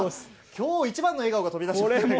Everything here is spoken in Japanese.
きょう一番の笑顔が飛び出しましたね。